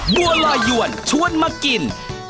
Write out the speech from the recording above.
บัวลอยยวนชวนมากิน